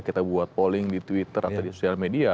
kita buat polling di twitter atau di sosial media